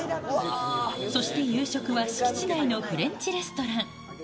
そして夕食は敷地内のフレンチレストラン。